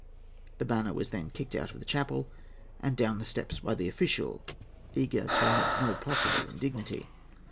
The banner was then kicked out of the chapel and down the steps by the official, eager to omit no possible indignity.